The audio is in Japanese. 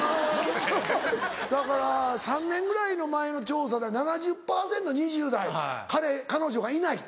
だから３年ぐらい前の調査で７０％２０代彼女がいない。